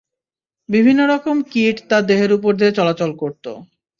বিভিন্ন রকম কীট তার দেহের উপর দিয়ে চলাচল করত।